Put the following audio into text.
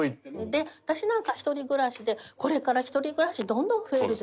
で私なんか１人暮らしでこれから１人暮らしどんどん増えるでしょ？